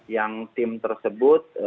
yang tim tersebut